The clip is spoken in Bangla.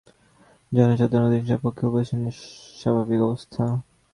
জনসাধারণের অধিকাংশের পক্ষে উপবাসই স্বাভাবিক অবস্থা।